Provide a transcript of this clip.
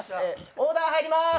オーダー入ります！